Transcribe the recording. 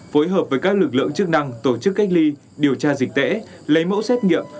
phối hợp với các lực lượng chức năng tổ chức cách ly điều tra dịch tễ lấy mẫu xét nghiệm